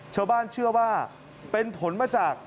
ชาวบ้านเชื่อว่าเป็นผลมาจาก